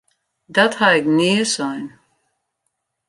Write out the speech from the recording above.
Dat ha ik nea sein!